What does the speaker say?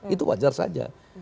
itu wajar saja